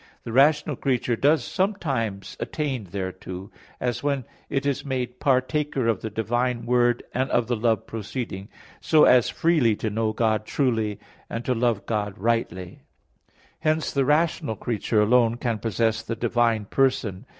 The rational creature does sometimes attain thereto; as when it is made partaker of the divine Word and of the Love proceeding, so as freely to know God truly and to love God rightly. Hence the rational creature alone can possess the divine person.